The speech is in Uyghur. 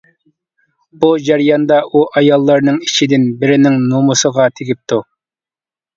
بۇ جەرياندا ئۇ ئاياللارنىڭ ئىچىدىن بىرىنىڭ نومۇسىغا تېگىپتۇ.